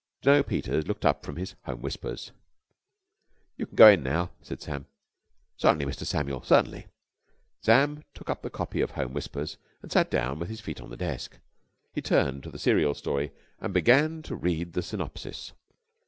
Jno. Peters looked up from his Home Whispers. "You can go in now," said Sam. "Certainly, Mr. Samuel, certainly." Sam took up the copy of Home Whispers, and sat down with his feet on the desk. He turned to the serial story and began to read the synopsis.